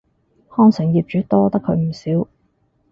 康城業主多得佢唔少